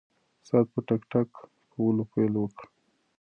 ساعت په ټک ټک کولو پیل وکړ.